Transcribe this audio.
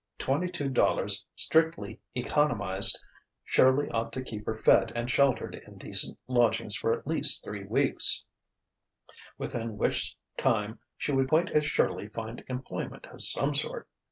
Twenty two dollars strictly economized surely ought to keep her fed and sheltered in decent lodgings for at least three weeks; within which time she would quite as surely find employment of some sort.